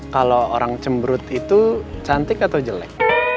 kalo orang cemberut itu cantik atau jelek